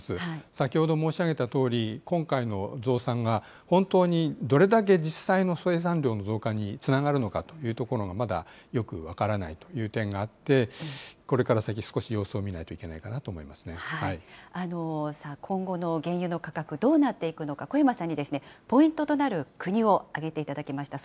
先ほど申し上げたとおり、今回の増産が、本当にどれだけ実際の生産量の増量につながるのかというところが、まだよく分からないという点があって、これから先、少し様子を見今後の原油の価格、どうなっていくのか、小山さんにポイントとなる国を挙げていただきました。